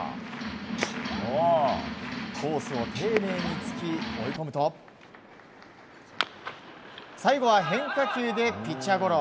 コースを丁寧に突き追い込むと最後は変化球でピッチャーゴロ。